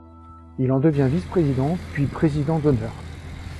Il en devient vice-président, puis président d'honneur.